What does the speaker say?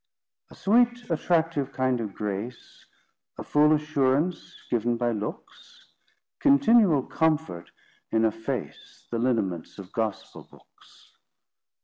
"A sweet attractive kinde of grace, A full assurance given by lookes, Continuall comfort in a face, The lineaments of Gospel bookes."